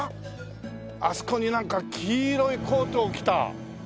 あそこになんか黄色いコートを着た。